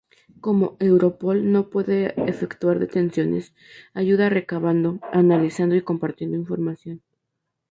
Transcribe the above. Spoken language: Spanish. Como Europol no puede efectuar detenciones, ayuda recabando, analizando y compartiendo información.